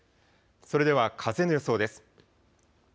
それでは風の予想です。